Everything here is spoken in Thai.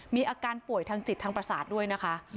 มีอาการป่วยทางจิตทางประสาทด้วยนะคะ